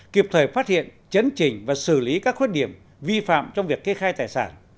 kịp thời phát hiện chấn trình và xử lý các khuyết điểm vi phạm trong việc kê khai tài sản